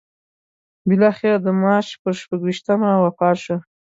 بالاخره د مارچ پر شپږویشتمه وفات شو.